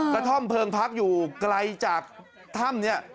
กระท่อมเพลิงพักอยู่ไกลจากถ้ำนี้